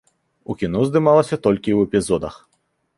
У кіно здымалася толькі ў эпізодах.